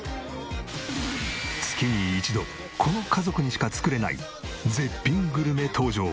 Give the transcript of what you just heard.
月に一度この家族にしか作れない絶品グルメ登場。